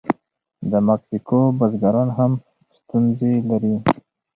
د مکسیکو بزګران هم ستونزې لري.